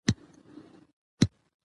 اوښ د افغانانو د تفریح یوه وسیله ده.